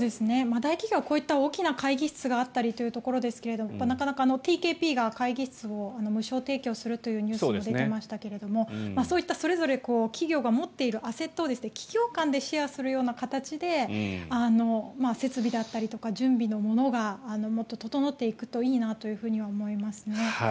大企業はこういった大きな会議室があったりというところですけどＴＫＰが会議室を無償提供するというニュースも出ていましたがそういった、それぞれ企業が持っているアセットを企業間でシェアするような形で設備だったりとか準備のものがもっと整っていくといいなとは思いますね。